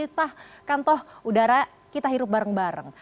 kita kan toh udara kita hidup bareng bareng